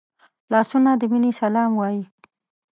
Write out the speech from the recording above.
لاسونه د مینې سلام وايي